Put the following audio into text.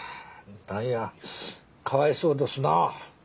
何やかわいそうどすな。